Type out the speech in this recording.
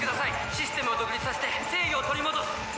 システムを独立させて制御を取り戻す！